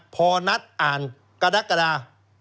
พอนัดอ่านกระดักกระดา